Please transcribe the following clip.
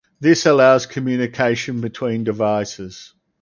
This allows communication between devices.